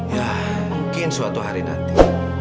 ya mungkin suatu hari nanti